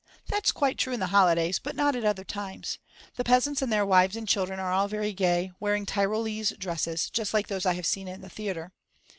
That's quite true in the holidays, but not at other times. The peasants and their wives and children are all very gay, wearing Tyrolese dresses, just like those I have seen in the theatre.